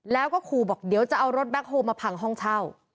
แล้วก็ขู่บอกเดี๋ยวจะเอารถแบ็คโฮลมาพังห้องเช่า